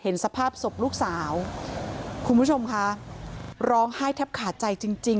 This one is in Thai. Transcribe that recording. เห็นสภาพศพลูกสาวคุณผู้ชมค่ะร้องไห้ทับขาดใจจริง